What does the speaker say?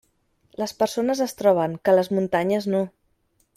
Les persones es troben, que les muntanyes no.